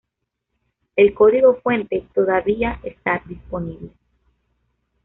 El código fuente todavía está disponible.